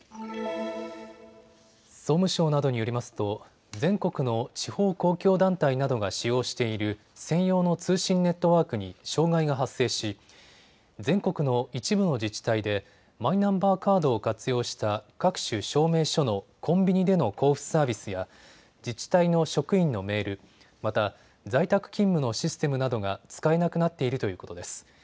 総務省などによりますと全国の地方公共団体などが使用している専用の通信ネットワークに障害が発生し全国の一部の自治体でマイナンバーカードを活用した各種証明書のコンビニでの交付サービスや自治体の職員のメール、また在宅勤務のシステムなどが使えなくなっているということです。